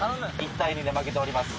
１対２で負けております。